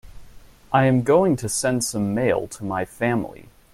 I am going to send some mail to my family.